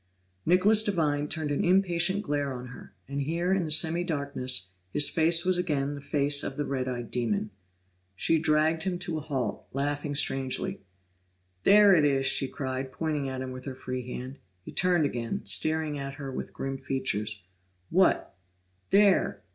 Nicholas Devine turned an impatient glare on her, and here in the semi darkness, his face was again the face of the red eyed demon. She dragged him to a halt, laughing strangely. "There it is!" she cried, pointing at him with her free hand. He turned again, staring at her with grim features. "What?" "There!